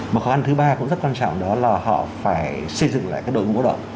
một khó khăn thứ ba cũng rất quan trọng đó là họ phải xây dựng lại đội ngũ động